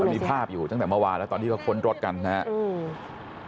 มีภาพอยู่ตั้งแต่เมื่อวานแล้วตอนที่เขาค้นรถกันนะครับ